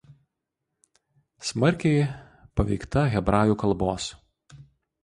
Smarkiai paveikta hebrajų kalbos.